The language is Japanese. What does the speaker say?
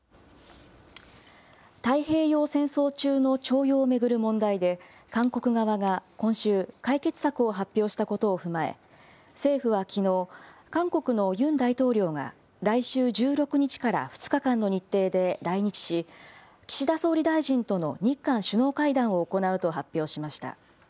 太平洋戦争中の徴用を巡る問題で、韓国側が今週、解決策を発表したことを踏まえ、政府はきのう、韓国のユン大統領が、来週１６日から２日間の日程で来日し、岸田総理大臣との日韓首脳会談を行うと発表しました。